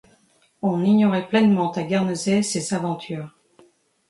On ignorait pleinement à Guernesey ses aventures.